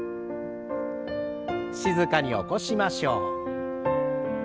静かに起こしましょう。